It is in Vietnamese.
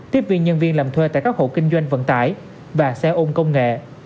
tiếp viên nhân viên làm thuê tại các hộ kinh doanh vận tải và xe ôn công nghệ